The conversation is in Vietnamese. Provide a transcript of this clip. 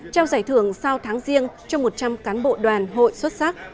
trao giải thưởng sau tháng riêng cho một trăm linh cán bộ đoàn hội xuất sắc